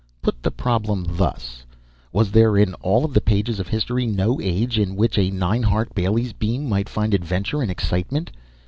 Put the problem thus: Was there in all of the pages of history no age in which a 9 Hart Bailey's Beam might find adventure and excitement?